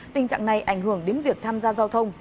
tình trạng này ảnh hưởng đến việc tham gia giao thông